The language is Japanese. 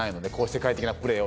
世界的なプレーを。